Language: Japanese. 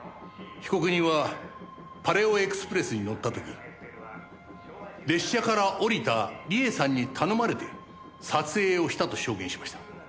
被告人はパレオエクスプレスに乗った時列車から降りた理恵さんに頼まれて撮影をしたと証言しました。